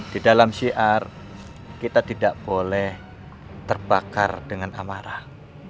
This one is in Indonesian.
di dalam syiar kita tidak boleh terbakar dengan amarah